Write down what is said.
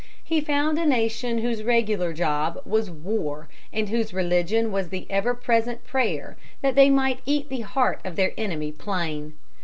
] He found a nation whose regular job was war and whose religion was the ever present prayer that they might eat the heart of their enemy plain.